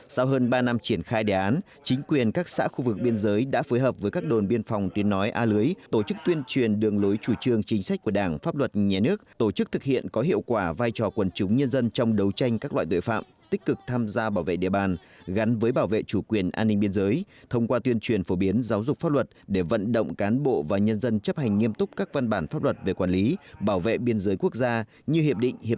sau hơn ba năm triển khai đề án chính quyền các xã khu vực biên giới đã phối hợp với các đồn biên phòng tuyên nói a lưới tổ chức tuyên truyền đường lối chủ trương chính sách của đảng pháp luật nhà nước tổ chức thực hiện có hiệu quả vai trò quần chúng nhân dân trong đấu tranh các loại tội phạm tích cực tham gia bảo vệ địa bàn gắn với bảo vệ chủ quyền an ninh biên giới thông qua tuyên truyền phổ biến giáo dục pháp luật để vận động cán bộ và nhân dân chấp hành nghiêm túc các văn bản pháp luật về quản lý bảo vệ biên giới quốc gia như hiệ